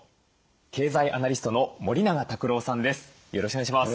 経済アナリストの森永卓郎さんです。